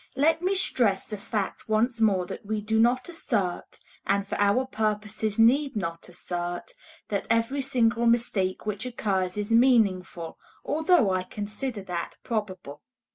Let me stress the fact once more that we do not assert and for our purposes need not assert that every single mistake which occurs is meaningful, although I consider that probable.